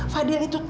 fadil itu takut